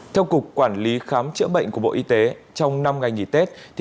theo cục quản lý khám chữa bệnh của bộ y tế trong năm ngày nghỉ tết